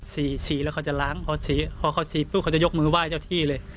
สีสีแล้วเขาจะล้างขนสีพอขาสีพอจะยกมือว่าให้เจ้าที่เลย